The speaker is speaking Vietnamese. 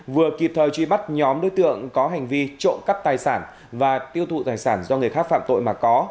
vừa kịp thời truy bắt nhóm đối tượng có hành vi trộm cắp tài sản và tiêu thụ tài sản do người khác phạm tội mà có